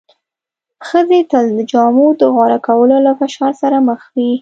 ښځې تل د جامو د غوره کولو له فشار سره مخ وې.